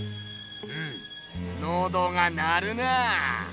うむのどが鳴るなぁ！